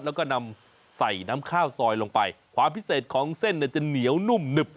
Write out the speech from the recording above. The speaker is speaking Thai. แล้วก็นำใส่น้ำข้าวซอยลงไปความพิเศษของเส้นเนี่ยจะเหนียวนุ่มหนึบ